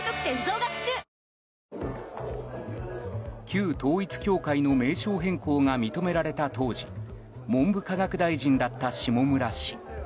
旧統一教会の名称変更が認められた当時文部科学大臣だった下村氏。